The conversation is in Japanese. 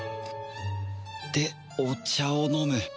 でお茶を飲む